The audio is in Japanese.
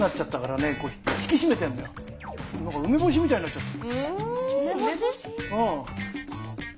梅干しみたいになっちゃった。